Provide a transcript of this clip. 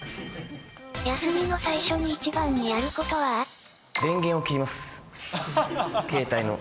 休みの最初に一番にやること電源を切ります、携帯の。